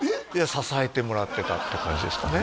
「支えてもらってた」っていう感じですかね